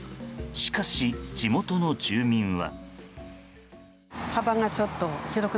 しかし、地元の住民は。